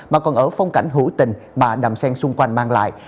mà còn ở phong cảnh hữu tình mà đầm sen xung quanh mang lại